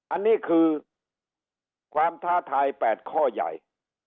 อันนี้คือความท้าทาย๘ข้อใหญ่